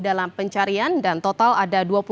dalam pencarian dan total ada